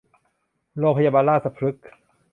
โรงพยาบาลราชพฤกษ์